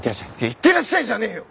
「いってらっしゃい」じゃねえよ！